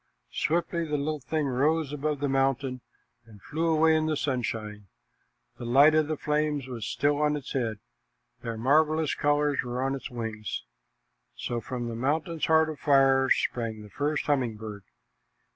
Swiftly the little thing rose above the mountain and flew away in the sunshine. The light of the flames was still on its head; their marvelous colors were on its wings. So from the mountain's heart of fire sprang the first humming bird.